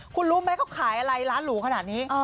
คุณรู้ไหมเขาขายอะไรร้านหรูขนาดนี้